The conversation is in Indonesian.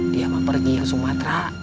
dia mau pergi ke sumatera